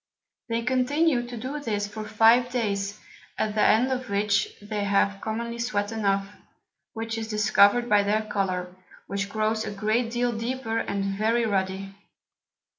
They continue to do this for five Days, at the end of which they have commonly sweat enough, which is discover'd by their Colour, which grows a great deal deeper, and very ruddy.